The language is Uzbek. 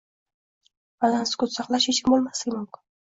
Ba’zan sukut saqlash yechim bo’lmasligi mumkin